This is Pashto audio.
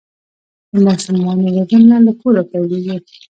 د ماشومانو روزنه له کوره پیلیږي.